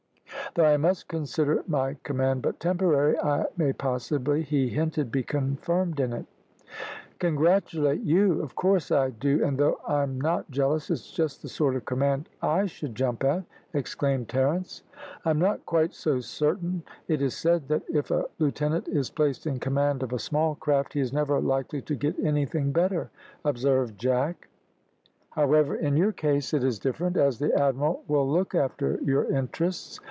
Though I must consider my command but temporary, I may possibly, he hinted, be confirmed in it." "Congratulate you! Of course I do, and though I'm not jealous, it's just the sort of command I should jump at," exclaimed Terence. "I am not quite so certain; it is said that if a lieutenant is placed in command of a small craft, he is never likely to get anything better," observed Jack. "However, in your case it is different, as the admiral will look after your interests.